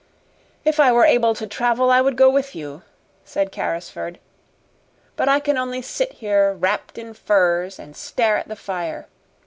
"If I were able to travel, I would go with you," said Carrisford; "but I can only sit here wrapped in furs and stare at the fire.